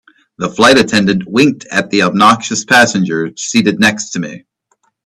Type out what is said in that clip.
The flight attendant winked at the obnoxious passenger seated next to me.